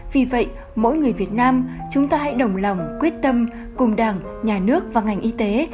vì vậy mỗi người việt nam chúng ta hãy đồng lòng quyết tâm cùng đảng nhà nước và ngành y tế